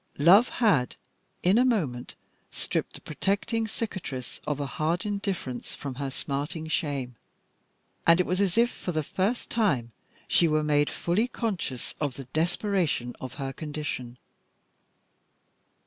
Love had, in a moment, stripped the protecting cicatrice of a hard indifference from her smarting shame, and it was as if for the first time she were made fully conscious of the desperation of her condition.